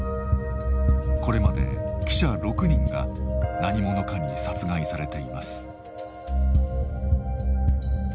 これまで記者６人が何者かに殺害されています。